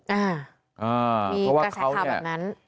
เพราะว่าเขาเนี่ยประสาทฉาวแบบนั้น